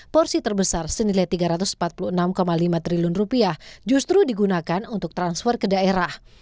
porsi terbesar senilai rp tiga ratus empat puluh enam lima triliun justru digunakan untuk transfer ke daerah